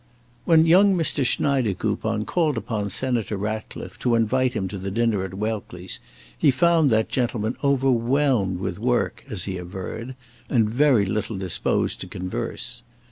When young Mr. Schneidekoupon called upon Senator Ratcliffe to invite him to the dinner at Welckley's, he found that gentleman overwhelmed with work, as he averred, and very little disposed to converse.